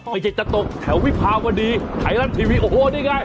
ไม่ใช่จะตกแถววิภาพอดีไถลันทีวีโอ้โหนี่ไง